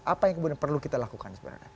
apa yang kemudian perlu kita lakukan sebenarnya